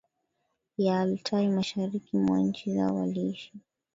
ya Altai Mashariki mwa nchi zao waliishi